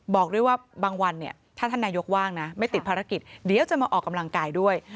บอกด้วยว่าบางวันเนี่ยถ้าท่านนายกว่างนะไม่ติดภารกิจเดี๋ยวจะมาออกกำลังกายด้วย